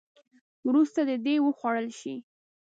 وروسته دې وخوړل شي.